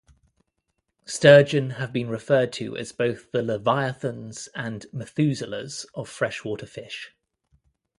Sturgeon have been referred to as both the Leviathans and Methuselahs of freshwater fish.